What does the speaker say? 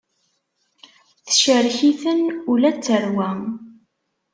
Tecrek-iten ula d tarwa.